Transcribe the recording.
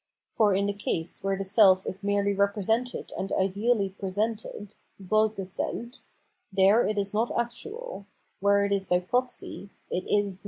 Tor in the case where the self is merely repre sented and ideally presented {vorgestdU), there it is not actual : where it is by proxy, it is not.